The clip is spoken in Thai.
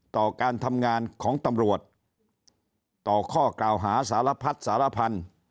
ต่อการทำงานของตำรวจต่อข้อกล่าวหาสารพัดสารพันธุ์